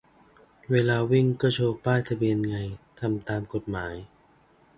เวลาวิ่งก็โชว์ป้ายทะเบียนไง ทำตามกฎหมาย